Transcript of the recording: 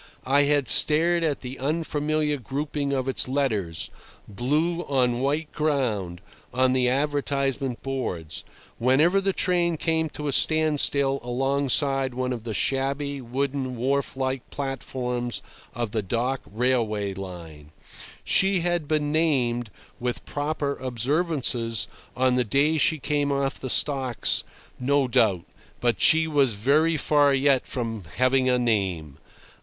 I had stared at the unfamiliar grouping of its letters, blue on white ground, on the advertisement boards, whenever the train came to a standstill alongside one of the shabby, wooden, wharf like platforms of the dock railway line. She had been named, with proper observances, on the day she came off the stocks, no doubt, but she was very far yet from "having a name."